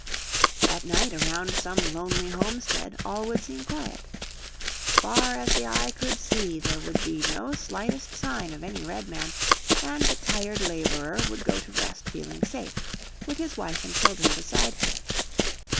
At night around some lonely homestead all would seem quiet. Far as the eye could see there would be no slightest sign of any Redman, and the tired labourer would go to rest feeling safe, with his wife and children beside him.